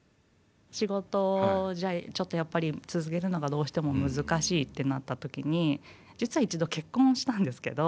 仕事をじゃあちょっとやっぱり続けるのがどうしても難しいってなった時に実は一度結婚をしたんですけど。